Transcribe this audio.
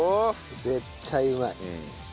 絶対うまい。